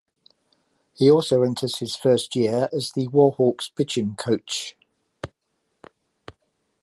He also enters his first year as the Warhawks' pitching coach.